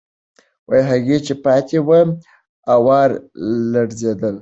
هغه چې پاتې ول، آوار لړزېدل.